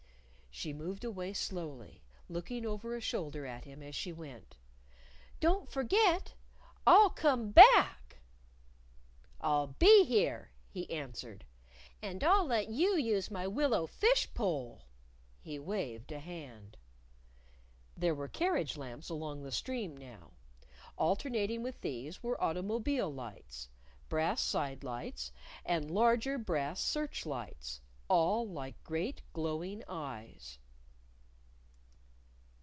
She moved away slowly, looking over a shoulder at him as she went. "Don't forget! I'll come back!" "I'll be here," he answered. "And I'll let you use my willow fishpole." He waved a hand. There were carriage lamps along the stream now. Alternating with these were automobile lights brass side lights, and larger brass search lights, all like great glowing eyes.